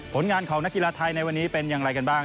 ผลงานของนักกีฬาไทยในวันนี้เป็นอย่างไรกันบ้าง